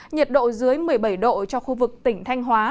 nhiệt độ dưới một mươi bảy độ cho khu vực tỉnh thanh hóa